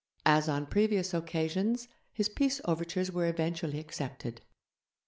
As on previous occasions, his peace overtures were eventually accepted.